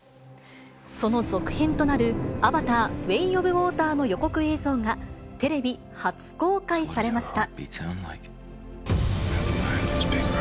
その続編となる、アバター：ウェイ・オブ・ウォーターの予告映像が、テレビ初公開されました。